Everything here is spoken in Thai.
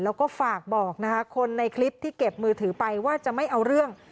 แล้วก็ฝากบอกนะคะคนในคลิปที่เก็บมือถือไปว่าจะไม่เอาเรื่อง